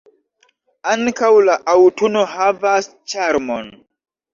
Ankaŭ la aŭtuno havas ĉarmon.